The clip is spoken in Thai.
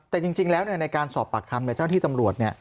แต่จริงแล้วในการสอบปากคำในเจ้าที่ตำรวจ